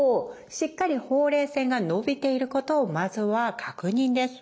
しっかりほうれい線が伸びていることをまずは確認です。